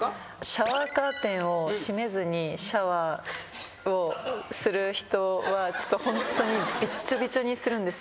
シャワーカーテンを閉めずにシャワーをする人はちょっとホントにビッチョビチョにするんですよ